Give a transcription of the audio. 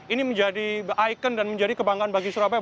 ini menjadi ikon dan menjadi kebanggaan bagi surabaya